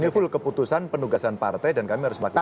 ini full keputusan penugasan partai dan kami harus melakukan